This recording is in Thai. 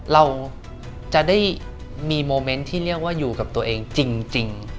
เราจะได้มีโมเมนต์ที่เรียกว่าอยู่กับตัวเองจริง